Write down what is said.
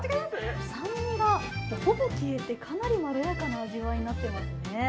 酸味がほぼ消えて、かなりまろやかな味わいになっていますね。